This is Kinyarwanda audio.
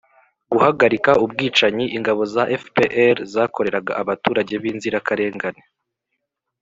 guhagarika ubwicanyi ingabo za fpr zakoreraga abaturage b'inzirakarengane.